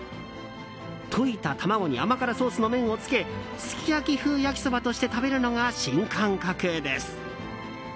溶いた卵に甘辛ソースの麺をつけすき焼き風焼きそばとして食べるのが、新感覚です。